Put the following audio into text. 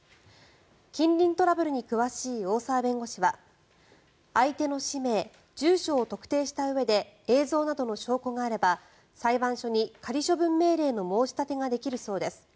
近隣トラブルに詳しい大澤弁護士は相手の氏名、住所を特定したうえで映像などの証拠があれば裁判所に仮処分命令の申し立てができるそうです。